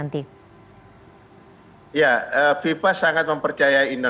kecuali aerobat pemimpin masa ke tiga kan kalau melakukan jam jam pacungnya